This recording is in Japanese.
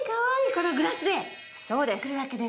このグラスで作るわけですね。